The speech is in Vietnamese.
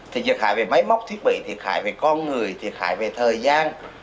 thì thiệt hại về máy móc thiết bị thiệt hại về con người thiệt hại về thời gian